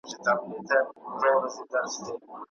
وئېل ئې بس يو زۀ اؤ دېوالونه د زندان دي